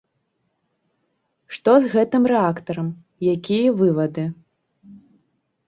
Што з гэтым рэактарам, якія вывады?